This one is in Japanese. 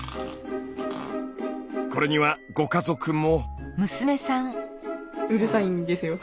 これにはご家族も。